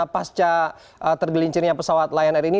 pasca tergelincirnya pesawat lion air ini